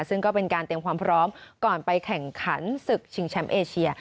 ซึ่งก็เป็นการเตรียมความพร้อมก่อนไปแข่งขันศึกชิงแชมป์เอเชีย